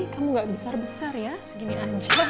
kamu gak besar besar ya segini aja